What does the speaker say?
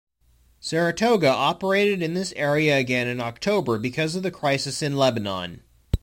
"Saratoga" operated in this area again in October because of the crisis in Lebanon.